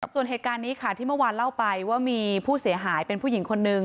ส่วนเหตุการณ์นี้ค่ะที่เมื่อวานเล่าไปว่ามีผู้เสียหายเป็นผู้หญิงคนนึง